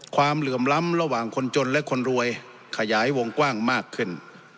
เหลื่อมล้ำระหว่างคนจนและคนรวยขยายวงกว้างมากขึ้น